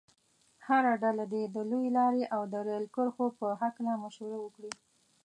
هره ډله دې د لویې لارې او د ریل کرښو په هلکه مشوره وکړي.